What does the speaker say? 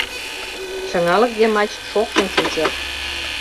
Шыҥалык йымач шокшын чучо.